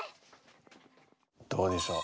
どうでしょう？